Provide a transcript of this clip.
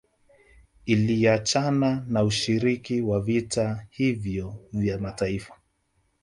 Iliachana na ushiriki wa vita hivyo vya mataifa